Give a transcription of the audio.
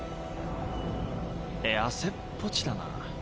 やせっぽちだなぁ。